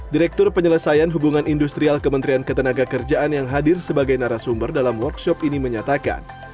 direktur penyelesaian hubungan industrial kementerian ketenaga kerjaan yang hadir sebagai narasumber dalam workshop ini menyatakan